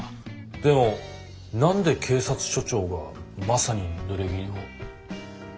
でも何で警察署長がマサにぬれぎぬを？